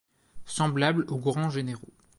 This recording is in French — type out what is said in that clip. Semblable aux grands généraux